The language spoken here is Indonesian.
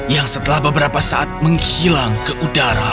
yang setelah beberapa saat menghilang ke udara